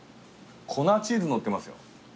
粉チーズ載ってますよ。